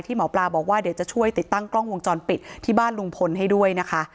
หมอปลาบอกว่าเดี๋ยวจะช่วยติดตั้งกล้องวงจรปิดที่บ้านลุงพลให้ด้วยนะคะ